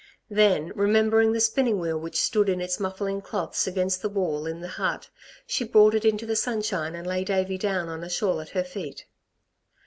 Then, remembering the spinning wheel which stood in its muffling cloths against the wall in the hut, she brought it into the sunshine and laid Davey down on a shawl at her feet.